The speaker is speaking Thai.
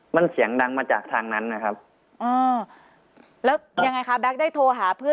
มันเสียงดังมาจากทางนั้นนะครับอ๋อแล้วยังไงคะแก๊กได้โทรหาเพื่อน